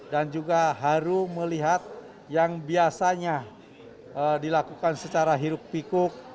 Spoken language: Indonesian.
dan juga haru melihat yang biasanya dilakukan secara hiruk pikuk